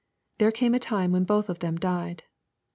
There came a Lime when both of them died.